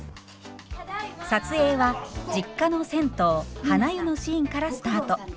撮影は実家の銭湯はな湯のシーンからスタート。